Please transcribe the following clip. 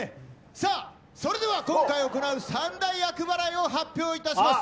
さあ、それでは今回行う三大厄払いを発表いたします。